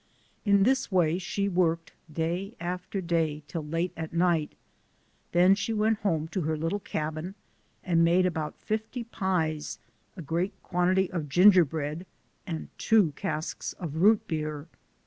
In this way she worked, day after day, till late at night; then she went home to her little cabin, and made, about fifty pies, a great 38 SOME SCENES IN THE quantity of ginger bread, and two casks of root beer.